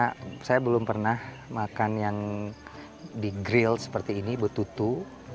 karena saya belum pernah makan yang di grill seperti ini betutu